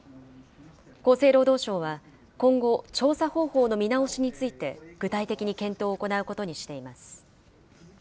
厚生労働省は、今後、調査方法の見直しについて、具体的に検討を行うことにしています。